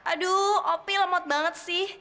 aduh opi lemot banget sih